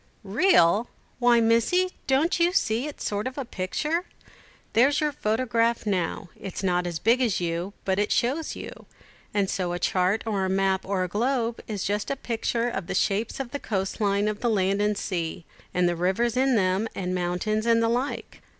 "Real! Why, Missie, don't you see it's a sort of a picture? There's your photograph now, it's not as big as you, but it shows you; and so a chart, or a map, or a globe, is just a picture of the shapes of the coast line of the land and the sea, and the rivers in them, and mountains, and the like.